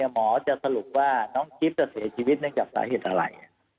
หมอจะสรุปว่าน้องกิ๊บจะเสียชีวิตเนื่องจากสาเหตุอะไร